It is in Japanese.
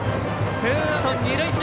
ツーアウト、二塁一塁。